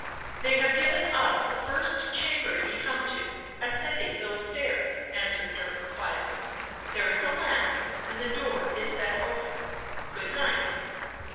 " They have given us the first chamber ye come to, ascending those stairs," answered Dirk quietly. " There is a lamp, and the door is set open. Good night."